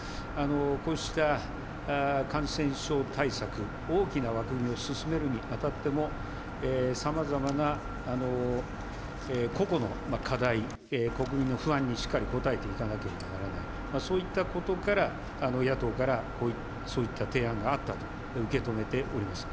こうした感染症対策、大きな枠組みを進めるにあたっても、さまざまな個々の課題、国民の不安にしっかり応えていかなければならない、そういったことから、野党からそういった提案があったと受け止めております。